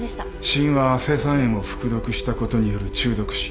死因は青酸塩を服毒したことによる中毒死。